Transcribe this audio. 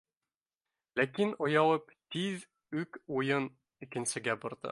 Ләкин, оялып, тиҙ үк уйын икенсегә борҙо: